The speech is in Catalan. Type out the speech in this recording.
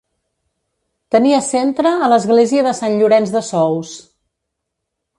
Tenia centre a l'església de Sant Llorenç de Sous.